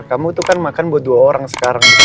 kamu itu kan makan buat dua orang sekarang